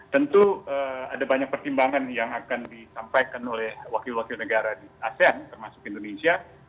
tentu ada banyak pertimbangan yang akan disampaikan oleh wakil wakil negara di asean termasuk indonesia